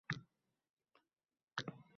“Men juda xafaman”.